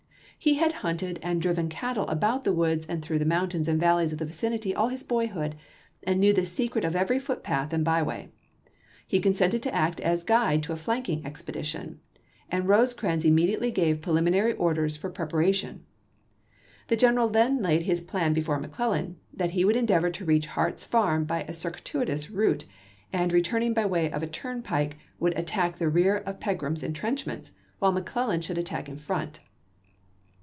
He had hunted and driven cattle about the woods and through the mountains and valleys of the vicinity all his boyhood, and knew the secret of every footpath and byway. He consented to act as guide to a flanking expedition, and Rosecrans WEST VIRGINIA • 335 immediately gave preliminary orders for prepara chap.xix. tion. The general then laid his plan before Mc Clellau, that he would endeavor to reach Hart's farm by a circuitous route, and returning byway of a turnpike would attack the rear of Pegram's intrenchments, while McClellan should attack in front.